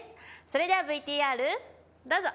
それではＶＴＲどうぞ！